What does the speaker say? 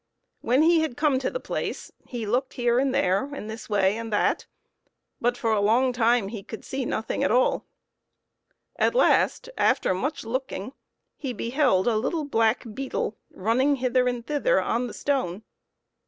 When he had come to the place, he looked here and there, and this way and that, but for a long time he could see nothing at all. At last, after much looking, he beheld a little black beetle running hither and thither on the stone.